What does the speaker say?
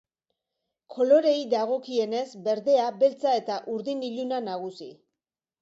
Koloreei dagokienez, berdea, beltza eta urdin iluna, nagusi.